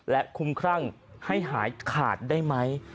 และคุ้มครั่งให้หายขาดได้ไหม